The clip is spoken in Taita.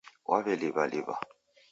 W'aw'eliw'aliw'a